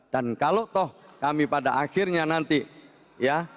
dan kalau toh kami pada akhirnya nanti ya tidak dipilih atau tidak diberi kesempatan oleh rakyat